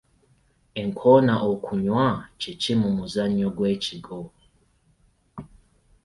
Enkoona okunywa kye ki mu muzanyo gwe kigwo ?